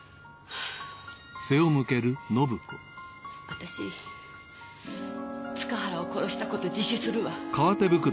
私塚原を殺したこと自首するわ。